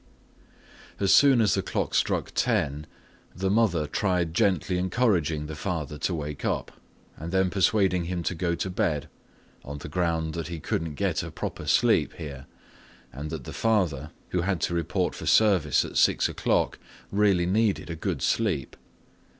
As soon as the clock struck ten, the mother tried gently encouraging the father to wake up and then persuading him to go to bed, on the ground that he couldn't get a proper sleep here and that the father, who had to report for service at six o'clock, really needed a good sleep.